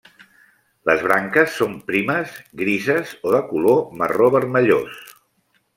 Les branques són primes, grises o de color marró-vermellós.